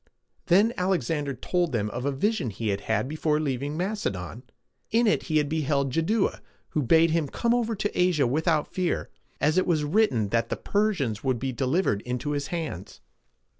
Then Alexander told them of a vision he had had before leaving Macedon. In it he had beheld Jaddua, who bade him come over to Asia without fear, as it was written that the Persians would be delivered into his hands.